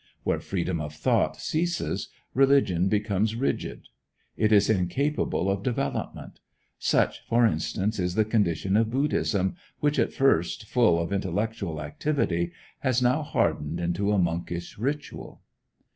Where freedom of thought ceases, religion becomes rigid. It is incapable of development. Such, for instance, is the condition of Buddhism, which, at first full of intellectual activity, has now hardened into a monkish ritual.